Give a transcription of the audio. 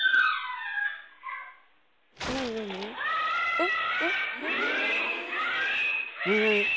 ・えっ！？